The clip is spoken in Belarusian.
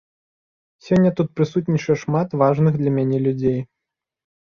Сёння тут прысутнічае шмат важных для мяне людзей.